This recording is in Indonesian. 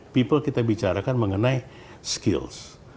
people kita bicarakan mengenai skills